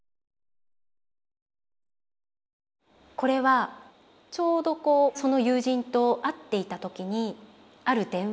これはちょうどこうその友人と会っていた時にある電話があって。